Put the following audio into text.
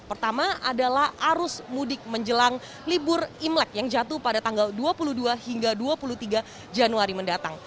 pertama adalah arus mudik menjelang libur imlek yang jatuh pada tanggal dua puluh dua hingga dua puluh tiga januari mendatang